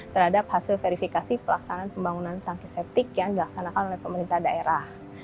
terhadap hasil verifikasi pelaksanaan pembangunan tangki septik yang dilaksanakan oleh pemerintah daerah